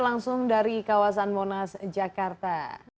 langsung dari kawasan monas jakarta